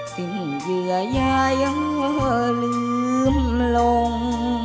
ซึ่งเหยื่อยายังลืมลง